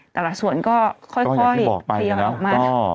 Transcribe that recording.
แต่ละส่วนก็ค่อยทยอยออกมา